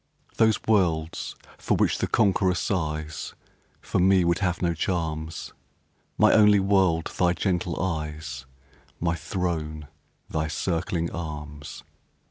Those worlds for which the conqueror sighs For me would have no charms; My only world thy gentle eyes My throne thy circling arms!